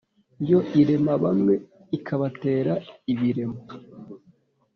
Yo irema bamwe ikabatera ibiremo?